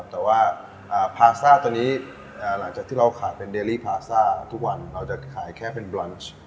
แต่ว่าพาซ่าตอนนี้หลังจากที่เราขายเป็นเดลี่พาซ่าทุกวันเราจะขายแค่เป็นบรนช